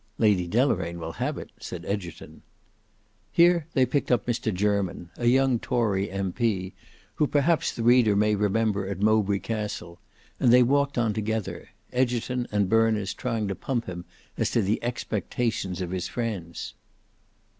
"Lady Deloraine will have it," said Egerton. Here they picked up Mr Jermyn, a young tory M.P., who perhaps the reader may remember at Mowbray Castle; and they walked on together, Egerton and Berners trying to pump him as to the expectations of his friends.